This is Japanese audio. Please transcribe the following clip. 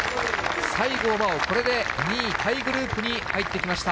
西郷真央、これで２位タイグループに入ってきました。